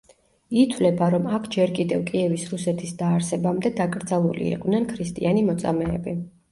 ითვლება, რომ აქ ჯერ კიდევ კიევის რუსეთის დაარსებამდე დაკრძალული იყვნენ ქრისტიანი მოწამეები.